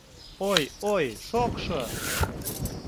— Ой-ой, шокшо...